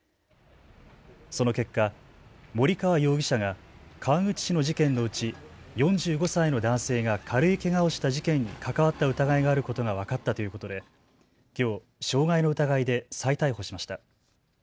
その結果、森川容疑者が川口市の事件のうち、４５歳の男性が軽いけがをした事件に関わった疑いがあることが分かったということで、きょう傷害の疑いで再逮捕しました。